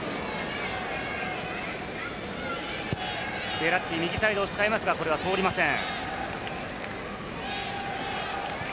ベッラッティ、右サイド使いますが、これは通りません。